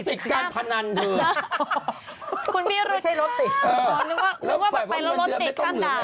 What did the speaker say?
ติดกันพนันเถอะ